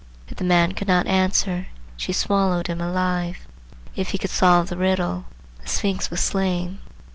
If the man could not answer, she swallowed him alive. If he could solve the riddle, the Sphinx was slain.